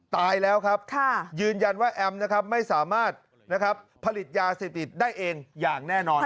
ตายแล้วครับยืนยันว่าแอมนะครับไม่สามารถผลิตยาเสพติดได้เองอย่างแน่นอน